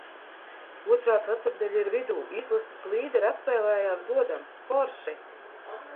Otrā ceturtdaļa ir vidū. Izlases līdere atspēlējās godam. Forši!